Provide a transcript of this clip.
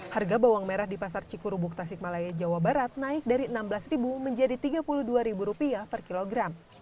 harga bawang merah di pasar cikurubuk tasikmalaya jawa barat naik dari rp enam belas menjadi rp tiga puluh dua per kilogram